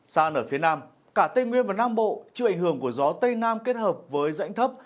xa nở phía nam cả tây nguyên và nam bộ chịu ảnh hưởng của gió tây nam kết hợp với rãnh thấp